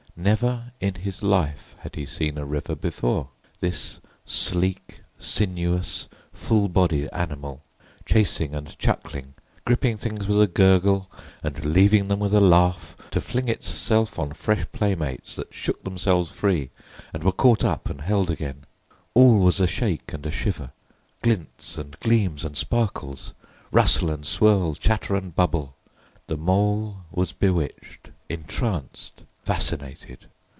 Never in his life had he seen a river before—this sleek, sinuous, full bodied animal, chasing and chuckling, gripping things with a gurgle and leaving them with a laugh, to fling itself on fresh playmates that shook themselves free, and were caught and held again. All was a shake and a shiver—glints and gleams and sparkles, rustle and swirl, chatter and bubble. The Mole was bewitched, entranced, fascinated.